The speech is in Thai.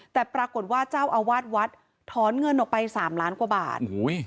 แต่ปรากฏว่าเจ้าอาวาสวัดถอนเงินออกไป๓ล้านกว่าบาท